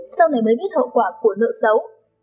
sau này mới biết hậu quả của nợ xấu